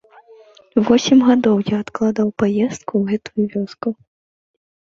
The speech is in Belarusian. Восем гадоў я адкладаў паездку ў гэтую вёску.